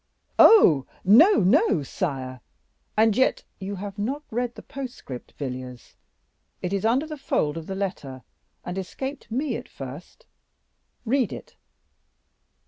"Oh, no, no, sire; and yet " "You have not read the postscript, Villiers; it is under the fold of the letter, and escaped me at first; read it."